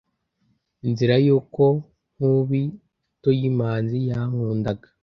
Nzira yuko Nkubitoyimanzi yankundaga